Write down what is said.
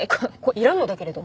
いらんのだけれども。